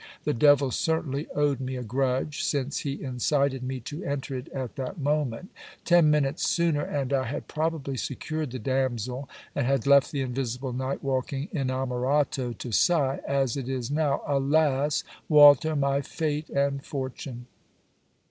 The devil certainly owed me a grudge, since he incited me to enter it at that moment. Ten minutes sooner, and I had probably secured the damsel, and had left the invisible night walking inamorato to sigh, as it is now alass, Walter, my fate and fortune.